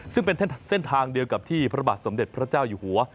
ซึ่งเป็นเส้นทางเดียวกับที่พระบาทสมเด็จพระเจ้าอยู่หัว